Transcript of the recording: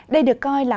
đây được coi là